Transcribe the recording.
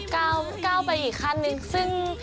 ก้าวก้าวไปอีกขั้นนึงซึ่ง